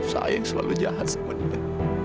saya yang selalu jahat sama dia